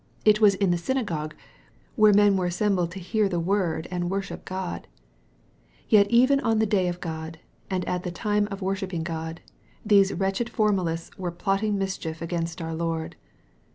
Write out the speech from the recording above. It was in the synagogue, where men were assembled to hear the word and worship G od. Yet even on the day of God, and at the time of wor shipping God, these wretched formalists were plotting mischief against our Lord.